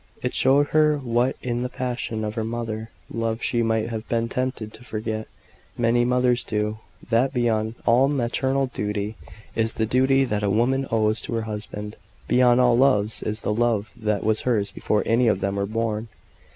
It showed her what in the passion of her mother love she might have been tempted to forget many mothers do that beyond all maternal duty, is the duty that a woman owes to her husband: beyond all loves, is the love that was hers before any of them were born.